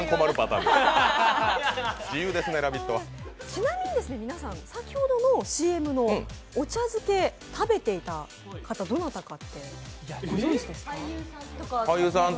ちなみに先ほどのＣＭのお茶漬け食べていた方、どなたかご存じですか？